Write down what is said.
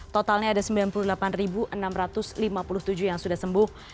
totalnya ada sembilan puluh delapan enam ratus lima puluh tujuh yang sudah sembuh